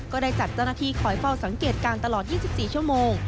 ก็ได้จัดเจ้าหน้าที่คอยเฝ้าสังเกตการณ์ตลอด๒๔ชั่วโมง